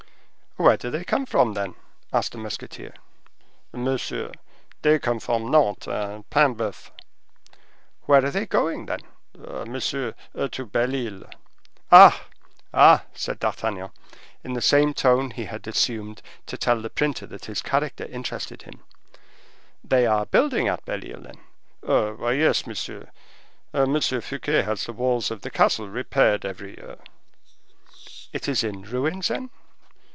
"Where do they come from, then?" asked the musketeer. "Monsieur, they come from Nantes and Paimboeuf." "Where are they going, then?" "Monsieur, to Belle Isle." "Ah! ah!" said D'Artagnan, in the same tone he had assumed to tell the printer that his character interested him; "are they building at Belle Isle, then?" "Why, yes, monsieur, M. Fouquet has the walls of the castle repaired every year." "It is in ruins, then?"